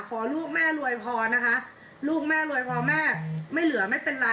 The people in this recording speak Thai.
ขอลูกแม่รวยพอนะคะลูกแม่รวยพอแม่ไม่เหลือไม่เป็นไร